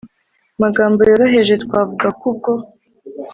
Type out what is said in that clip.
magambo yoroheje twavuga ko ubwo